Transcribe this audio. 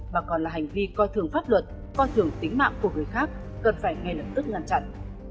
mà còn là hành vi coi thường pháp luật coi thường tính mạng của người khác cần phải ngay lập tức ngăn chặn